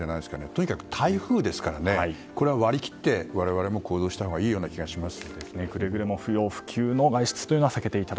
とにかく台風ですからこれは割り切って我々も行動したほうがいい気がします。